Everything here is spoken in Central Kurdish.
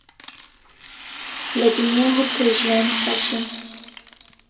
لە دنیا هەر تۆی ژیان و خۆشیم